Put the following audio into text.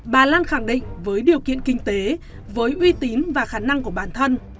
bà lan khẳng định với điều kiện kinh tế với uy tín và khả năng của bản thân